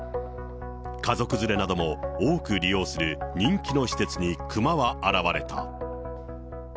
家族連れなども多く利用する人気の施設にクマは現れた。